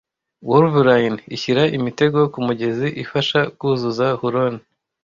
Wolverine ishyira imitego kumugezi ifasha kuzuza Huron,